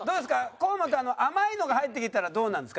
河本甘いのが入ってきたらどうなんですか？